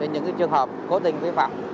những trường hợp cố tình phi phạm